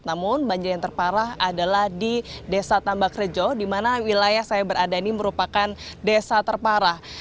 namun banjir yang terparah adalah di desa tambak rejo di mana wilayah saya berada ini merupakan desa terparah